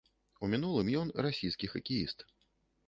У мінулым ён расійскі хакеіст.